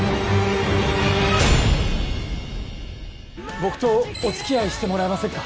僕とおつきあいしてもらえませんか？